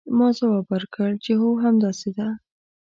ما ځواب ورکړ چې هو همداسې ده.